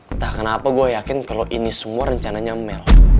entah kenapa gue yakin kalo ini semua rencananya mel